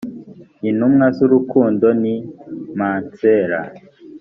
intumwa z urukundo ni masera